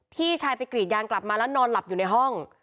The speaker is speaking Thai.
พี่ชายไปกรีดยางกลับมาแล้วนอนหลับอยู่ในห้อง